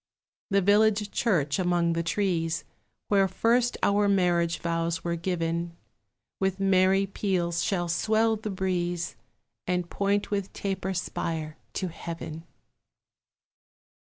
The village church among the trees, Where first our marriage vows were given, With merry peals shall swell the breeze, And point with taper spire to Heaven.